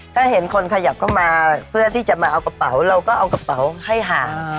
ถ้าเห็นคนขยับเข้ามาเพื่อที่จะมาเอากระเป๋าเราก็เอากระเป๋าให้หา